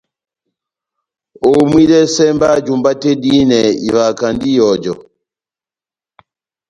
Homwidɛsɛ mba jumba tɛ́h dihinɛ ivahakandi ihɔjɔ.